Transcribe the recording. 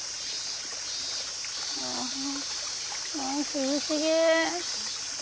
涼しげ。